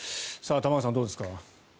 玉川さん、どうですか？